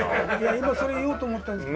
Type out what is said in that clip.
今それ言おうと思ったんです。